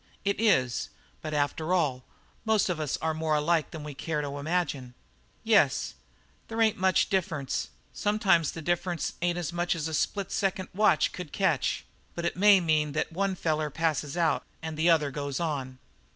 "It is. But after all, most of us are more alike than we care to imagine." "Yes, there ain't much difference; sometimes the difference ain't as much as a split second watch would catch, but it may mean that one feller passes out and the other goes on."